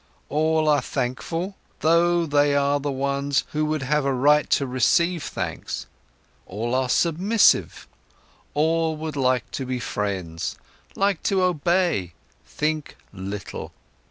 All are thankful, though they are the ones who would have a right to receive thanks. All are submissive, all would like to be friends, like to obey, think little.